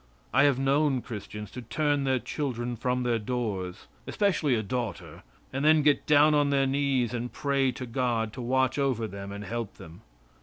I have known Christians to turn their children from their doors, especially a daughter, and then get down on their knees and pray to God to watch over them and help them.